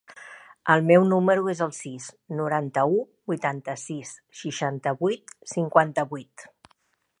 El meu número es el sis, noranta-u, vuitanta-sis, seixanta-vuit, cinquanta-vuit.